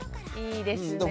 いいですね。